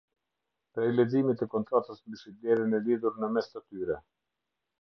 Prej leximit të kontratës mbi shitblerjen e lidhur në mes të tyre.